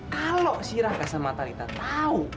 kalau si raka sama talita tahu